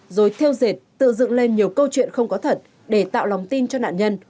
rồi theo dệt tự dựng lên nhiều câu chuyện không có thật để tạo lòng tin cho nạn nhân